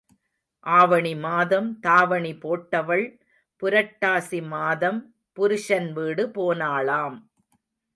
ஆவணி மாதம் தாவணி போட்டவள் புரட்டாசி மாதம் புருஷன் வீடு போனாளாம்.